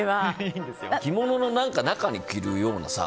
着物の中に着るようなさ